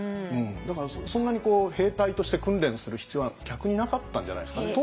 だからそんなに兵隊として訓練する必要は逆になかったんじゃないですかね。